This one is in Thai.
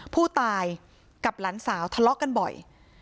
ผู้ตายกับหลานสาวทะเลาะกันบ่อย